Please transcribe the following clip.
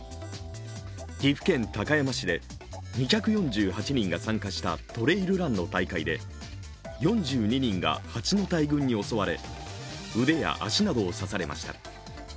岐阜県高山市で２４８人が参加したトレイルランの大会で４２人が蜂の大群に襲われ、腕や足などを刺されました。